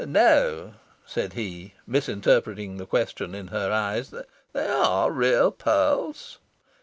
"No," said he, misinterpreting the question in her eyes, "they are real pearls."